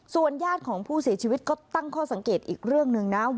ญาติของผู้เสียชีวิตก็ตั้งข้อสังเกตอีกเรื่องหนึ่งนะ